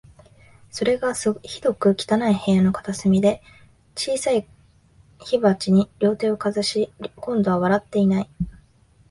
それが、ひどく汚い部屋の片隅で、小さい火鉢に両手をかざし、今度は笑っていない